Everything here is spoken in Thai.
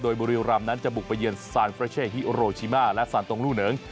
โดยบุริยุรัมน์นั้นจะบุกไปเยือนซานเฟรเช่ฮีโอโรชิม่าและสรรค์ตรงรู่เหนิง